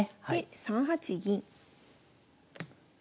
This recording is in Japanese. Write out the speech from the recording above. で３八銀。